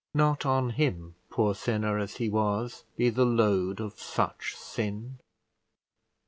Not on him, poor sinner as he was, be the load of such sin!